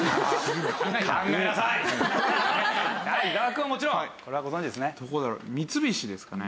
伊沢くんはもちろんこれはご存じですね。